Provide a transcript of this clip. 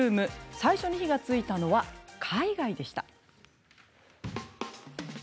最初に火がついたのは海外でした。